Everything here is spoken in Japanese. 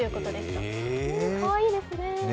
かわいいですね。